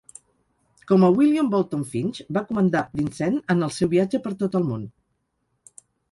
Com a William Bolton Finch, va comandar "Vincennes" en el seu viatge per tot el món.